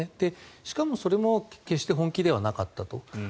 しかもそれも決して本気ではなかったと。